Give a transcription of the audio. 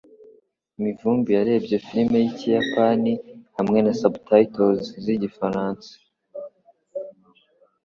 Mivumbi yarebye firime yikiyapani hamwe na subtitles yigifaransa.